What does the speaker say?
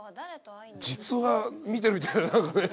実話見てるみたいな何かね。